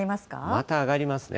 また上がりますね。